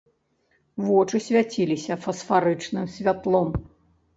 Вочы свяціліся фасфарычным святлом.